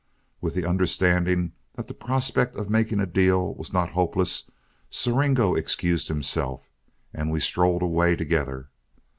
With the understanding that the prospect of making a deal was not hopeless, Siringo excused himself, and we strolled away together.